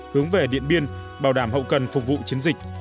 hướng về điện biên bảo đảm hậu cần phục vụ chiến dịch